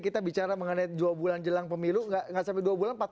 kita bicara mengenai dua bulan jelang pemilu nggak sampai dua bulan